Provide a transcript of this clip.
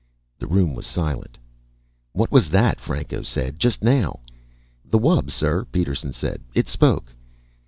The room was silent. "What was that?" Franco said. "Just now." "The wub, sir," Peterson said. "It spoke."